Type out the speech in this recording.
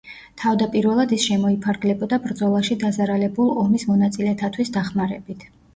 თავდაპირველად ის შემოიფარგლებოდა ბრძოლაში დაზარალებულ ომის მონაწილეთათვის დახმარებით.